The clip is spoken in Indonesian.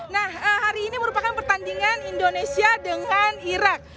nah hari ini merupakan pertandingan indonesia dengan irak